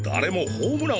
ホームラン。